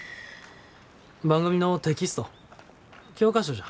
番組のテキスト教科書じゃ。